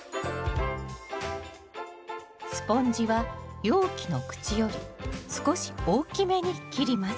スポンジは容器の口より少し大きめに切ります